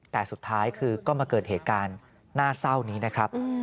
แต่สุดท้ายคือก็มาเกิดเหตุการณ์น่าเศร้านี้นะครับ